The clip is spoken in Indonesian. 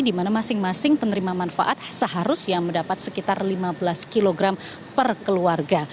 di mana masing masing penerima manfaat seharusnya mendapat sekitar lima belas kg per keluarga